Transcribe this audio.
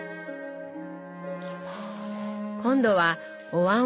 行きます。